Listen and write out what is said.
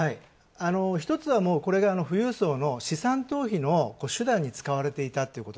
一つは、これが富裕層の資産逃避の手段に使われていたということ。